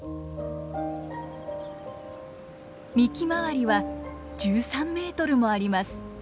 幹回りは１３メートルもあります。